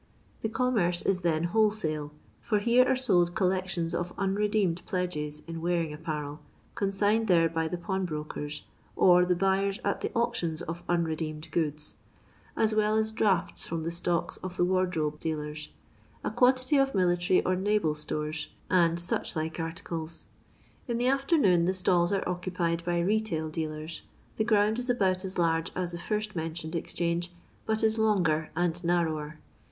The commerce is then wholesale, for here are sold collections of unredeemed pledges in wearing apparel, consigned there by the pawn brokers, or the buyers at the auctions of unre deemed goods; as well as draughts from the stocks of the wardrobe dealers; a quantity of military or naval stores, and, such like articles. In the afternoon the stalls are occupied by retail dealers. The ground is about as large as the first mentioned exchange, but is longer and narrower.